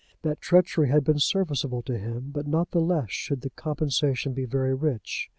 That treachery had been serviceable to him, but not the less should the compensation be very rich.